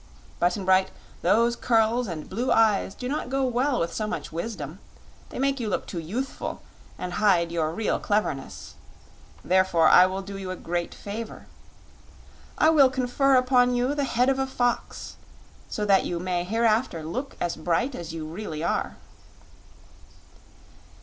Button Bright, those curls and blue eyes do not go well with so much wisdom. They make you look too youthful, and hide your real cleverness. Therefore, I will do you a great favor. I will confer upon you the head of a fox, so that you may hereafter look as bright as you really are."